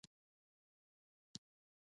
خپله مسوليت واخلئ چې په ځان باور زیات کړئ.